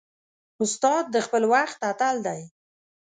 استاد د خپل وخت اتل دی.